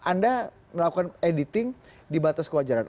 anda melakukan editing di batas kewajaran